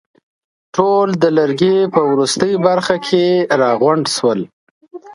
ټول د لرګي په وروستۍ برخه کې راغونډ شول.